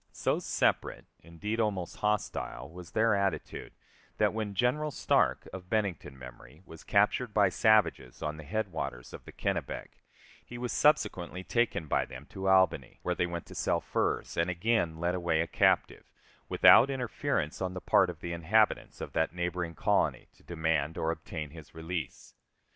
So separate, indeed almost hostile, was their attitude, that when General Stark, of Bennington memory, was captured by savages on the head waters of the Kennebec, he was subsequently taken by them to Albany, where they went to sell furs, and again led away a captive, without interference on the part of the inhabitants of that neighboring colony to demand or obtain his release.